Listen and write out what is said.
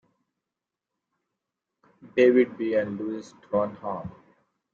David B. and Lewis Trondheim.